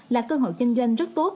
là cơ hội doanh doanh rất tốt